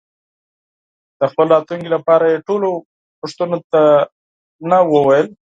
د خپل راتلونکي لپاره یې ټولو پوښتنو ته نه وویل.